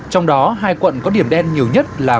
trong đó hai quận có điểm đen nhiều nhất là